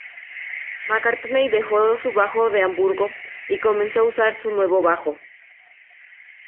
McCartney dejó su bajo de Hamburgo y comenzó a usar su nuevo bajo.